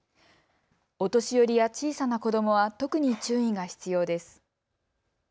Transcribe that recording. お年寄りや小さな子どもは特に注意が必要です。